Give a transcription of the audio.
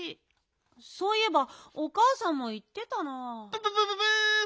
そういえばおかあさんもいってたな。